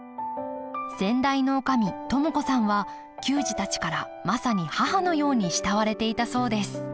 先代の女将智子さんは球児たちからまさに母のように慕われていたそうです